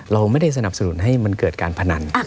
เราไม่ได้สนับสนุนให้มันเกิดการพนัน